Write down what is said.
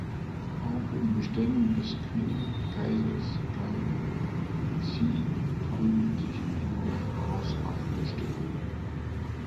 Auch in den Beständen des Qing-Kaisers Kangxi fanden sich einige herausragende Stücke.